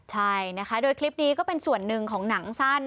ใช่นะคะโดยคลิปนี้ก็เป็นส่วนหนึ่งของหนังสั้น